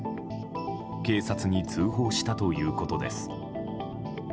警察に通報したということです。